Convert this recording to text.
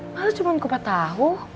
apa lo cuma kupat tahu